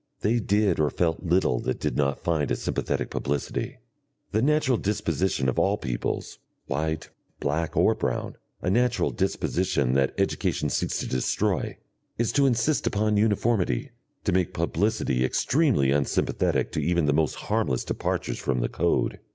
They did or felt little that did not find a sympathetic publicity. The natural disposition of all peoples, white, black, or brown, a natural disposition that education seeks to destroy, is to insist upon uniformity, to make publicity extremely unsympathetic to even the most harmless departures from the code.